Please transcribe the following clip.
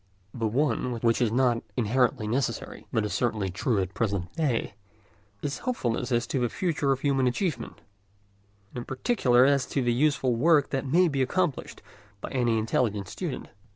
The one, which is not inherently necessary, but is certainly true at the present day, is hopefulness as to the future of human achievement, and in particular as to the useful work that may be accomplished by any intelligent student.